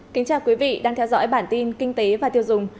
kính chào quý vị đang theo dõi bản tin kinh tế và tiêu dùng